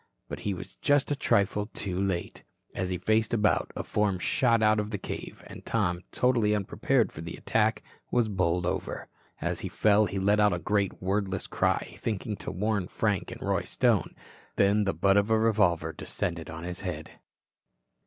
But he was just a trifle too late. As he faced about, a form shot out of the cave and Tom, totally unprepared for attack, was bowled over. As he fell he let out a great wordless cry, thinking to warn Frank and Roy Stone. Then the butt of a revolver descended on his head.